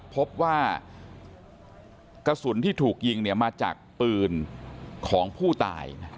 พบว่ากระสุนที่ถูกยิงเนี่ยมาจากปืนของผู้ตาย